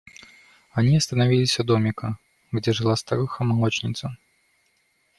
Они остановились у домика, где жила старуха молочница.